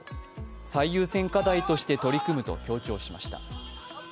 最優先課題として取り組むと強調しました。